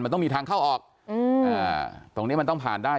มันต้องมีทางเข้าออกอืมอ่าตรงเนี้ยมันต้องผ่านได้